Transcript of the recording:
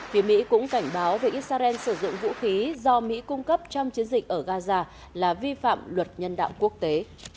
phía mỹ cũng cảnh báo về israel sử dụng vũ khí do mỹ cung cấp trong chiến dịch ở gaza là vi phạm luật nhân đạo quốc tế